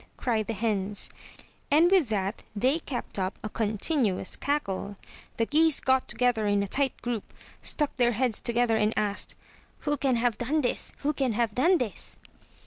'' cried the hens, and with that they kept up a continuous cackle. The geese got together in a tight group, stuck their heads together and asked: "Who can have done this? Who can have done this?"